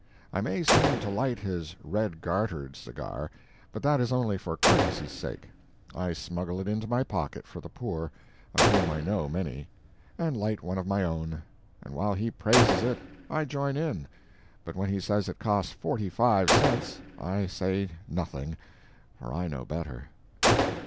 I may seem to light his red gartered cigar, but that is only for courtesy's sake; I smuggle it into my pocket for the poor, of whom I know many, and light one of my own; and while he praises it I join in, but when he says it cost forty five cents I say nothing, for I know better.